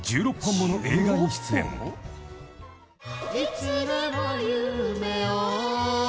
「いつでも夢を」